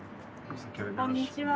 こんにちは。